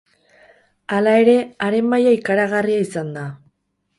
Hala ere, haren maila ikaragarria izan da.